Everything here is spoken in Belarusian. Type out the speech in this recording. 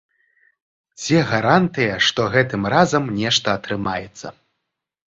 Дзе гарантыя, што гэтым разам нешта атрымаецца?